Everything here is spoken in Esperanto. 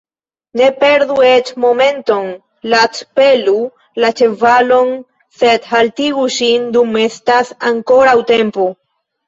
Ne perdu eĉ momenton, lacpelu la ĉevalon, sed haltigu ŝin, dum estas ankoraŭ tempo!